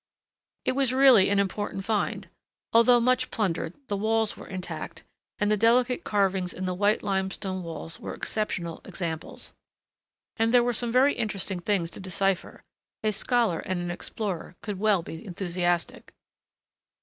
It was really an important find. Although much plundered, the walls were intact, and the delicate carvings in the white limestone walls were exceptional examples. And there were some very interesting things to decipher. A scholar and an explorer could well be enthusiastic.